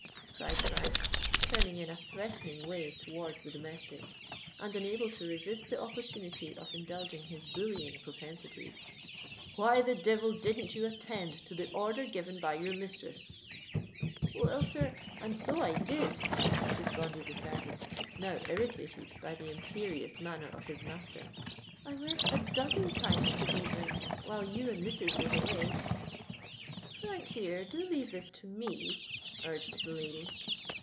cried Frank, turning in a threatening way towards the domestic, and unable to resist the opportunity of indulging his bullying propensities. "Why the devil didn't you attend to the order given by your mistress?" "Well, sir—and so I did," responded the servant, now irritated by the imperious manner of his master. "I went a dozen times to Beeswing's while you and missus was away." "Frank, dear—do leave this to me," urged the lady.